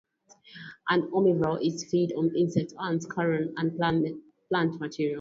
An omnivore, it feeds on insects, ants, carrion, and plant material.